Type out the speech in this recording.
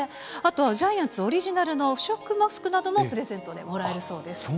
あとジャイアンツオリジナルの不織布マスクなどもプレゼントでもらえるそうです。